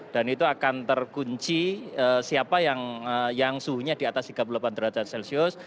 dan itu akan terkunci siapa yang suhunya di atas tiga puluh delapan derajat celcius